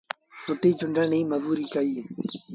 ڦٽيٚ چونڊڻ ريٚ مزوريٚ ڪئيٚ۔